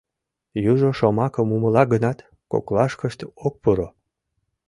Южо шомакым умыла гынат, коклашкышт ок пуро.